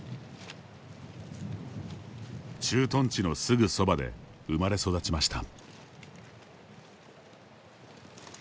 駐屯地のすぐそばで生まれ育ちました。